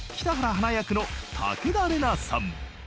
華役の武田玲奈さん］